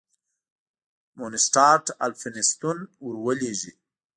مونسټارټ الفینستون ور ولېږی.